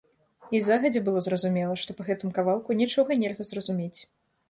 І загадзя было зразумела, што па гэтым кавалку нічога нельга зразумець.